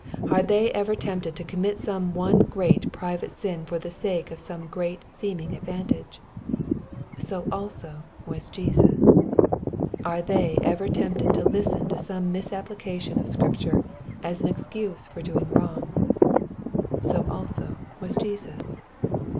— ^Are they ever tempted to commjtjome^one^at private sin for the sake of some great seeming advantage ? So also was Jesus. — ^Are they ever tempted to listen to some mis application of Scripture, as an excuse for doing wrong ? So also was Jesus.